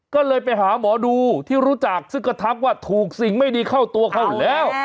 ก็เลยไปหาหมอดูที่รู้จักซึ่งก็ทักว่าถูกสิ่งไม่ดีเข้าตัวเขาอยู่แล้ว